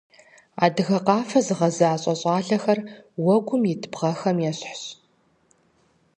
Адыгэ къафэ зыгъэзащӏэ щӏалэхэр уэгум ит бгъэхэм ещхьщ.